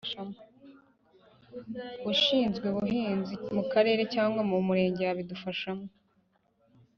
ushinzwe ubuhinzi mu kagari cyangwa mu murenge yabidufashamo